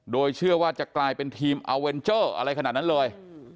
โดยเชื่อว่าจะกลายเป็นทีมอัลเวนเจอร์อะไรขนาดนั้นเลย